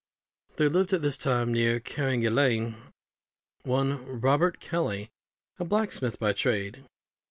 There lived at this time, near Carrigaline, one Robert Kelly, a blacksmith by trade.